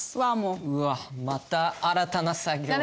うわっまた新たな作業が。